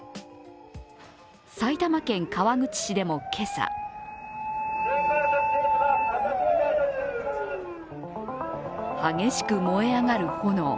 埼玉県川口市でも今朝激しく燃え上がる炎。